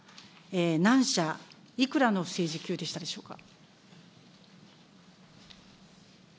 何社、いくらの不正受給でしたでしょうか。